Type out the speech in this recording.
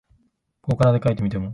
こう仮名で書いてみても、